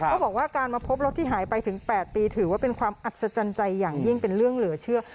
เขาบอกว่าการมาพบรถที่หายไปถึง๘ปีถือว่าเป็นความอัศจรรย์ใจอย่างยิ่งเป็นเรื่องเหลือเชื่อ